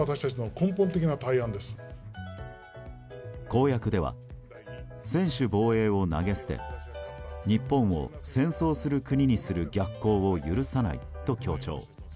公約では専守防衛を投げ捨て日本を戦争をする国にする逆行を許さないと強調。